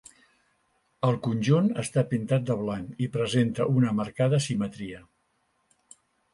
El conjunt està pintat de blanc i presenta una marcada simetria.